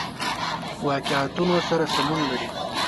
واقعیتونو سره سمون لري.